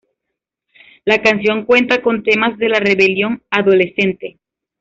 La canción cuenta con temas de la rebelión, adolescente.